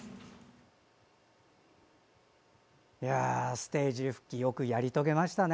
ステージ復帰よくやり遂げましたね！